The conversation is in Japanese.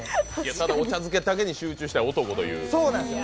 ただ、お茶漬けだけに集中したい男という。